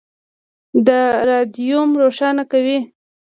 د رادیوم روښانه کوي.